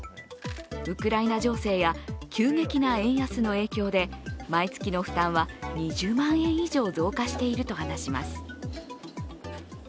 ウクライナ情勢や急激な円安の影響で、毎月の負担は２０万円以上増加していると話します。